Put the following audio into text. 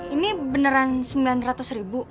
ini beneran sembilan ratus ribu